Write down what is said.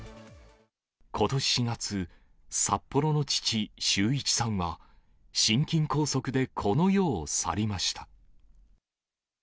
ことし４月、札幌の父、修一さんは、心筋梗塞でこの世を去りました。